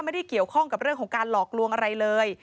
ไม่ได้เกี่ยวข้องกับเรื่องของการหลอกลวงอะไรเลย